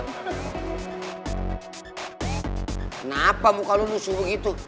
kenapa muka lu lusuh begitu